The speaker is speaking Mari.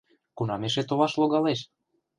Кунам эше толаш логалеш?